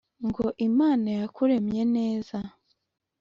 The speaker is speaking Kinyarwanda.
ngo imana yakuremye neza